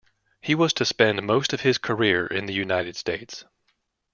He was to spend most of his career in the United States.